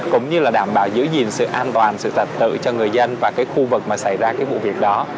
cũng như là đảm bảo giữ gìn sự an toàn sự tạc tượng cho người dân và cái khu vực mà xảy ra cái vụ việc đó